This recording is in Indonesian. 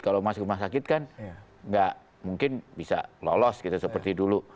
kalau masuk rumah sakit kan nggak mungkin bisa lolos gitu seperti dulu